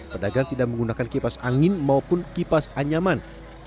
pedagang tidak menggunakan kipas angin maupun kipas anyaman